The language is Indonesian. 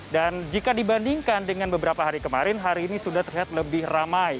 dan jika dibandingkan dengan beberapa hari kemarin hari ini sudah terlihat lebih ramai